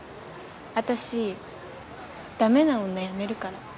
私駄目な女やめるから。